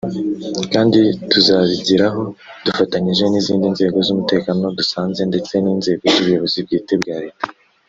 kandi tuzabigeraho dufatanyije n’izindi nzego z’umutekano dusanze ndetse n’inzego z’ubuyobozi bwite bwa Leta”